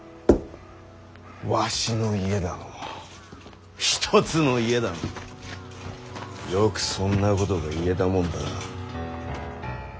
わしの家だの一つの家だのよくそんなことが言えたもんだな。